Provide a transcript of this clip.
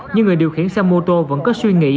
nhưng người điều khiển xe mô tô vẫn có suy nghĩ